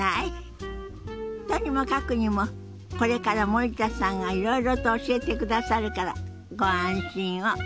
とにもかくにもこれから森田さんがいろいろと教えてくださるからご安心を。